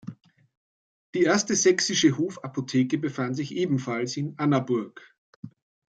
Die erste sächsische Hofapotheke befand sich ebenfalls in Annaburg.